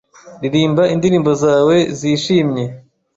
Ririmba indirimbo zawe zishimye